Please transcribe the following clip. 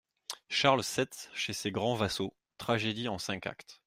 =Charles sept chez ses grands vassaux.= Tragédie en cinq actes.